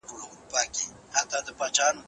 پښتو ژبه د علم او معرفت لویه سرچینه ده